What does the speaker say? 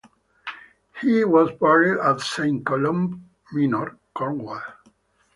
He was buried at Saint Columb Minor, Cornwall.